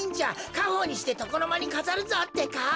かほうにしてとこのまにかざるぞってか。